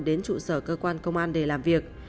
đến trụ sở cơ quan công an để làm việc